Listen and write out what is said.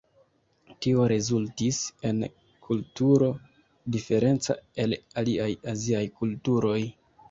Tio rezultis en kulturo diferenca el aliaj aziaj kulturoj.